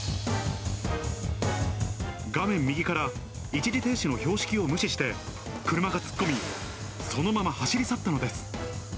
画面右から一時停止の標識を無視して、車が突っ込み、そのまま走り去ったのです。